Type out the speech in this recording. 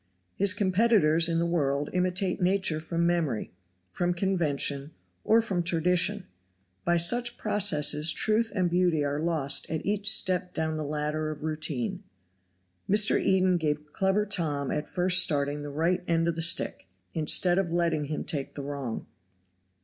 His competitors in the world imitate nature from memory, from convention, or from tradition. By such processes truth and beauty are lost at each step down the ladder of routine. Mr. Eden gave clever Tom at first starting the right end of the stick, instead of letting him take the wrong.)